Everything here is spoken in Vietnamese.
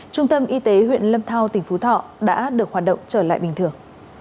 trung tâm y tế huyện lâm thao tỉnh phú thọ đã được hoạt động trở lại bình thường